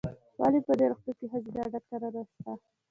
ولې په دي روغتون کې ښځېنه ډاکټره نسته ؟